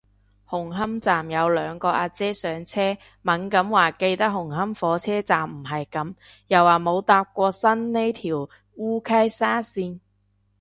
紅磡站有兩個阿姐上車，猛咁話記得紅磡火車站唔係噉，又話冇搭過新呢條烏溪沙綫